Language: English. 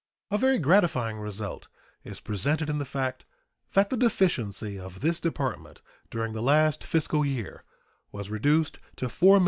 "A very gratifying result is presented in the fact that the deficiency of this Department during the last fiscal year was reduced to $4,081,790.